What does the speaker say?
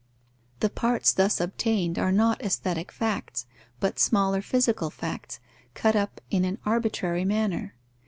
The parts thus obtained are not aesthetic facts, but smaller physical facts, cut up in an arbitrary manner.